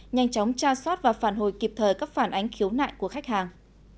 nhanh chóng tra soát và phản hồi kịp thời các phản ánh khiếu nại của khách hàng